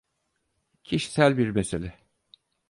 Kişisel bir mesele.